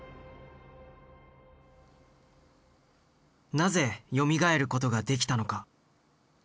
なぜよみがえることができたのか。